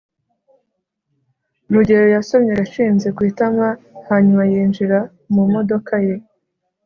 rugeyo yasomye gashinzi ku itama hanyuma yinjira mu modoka ye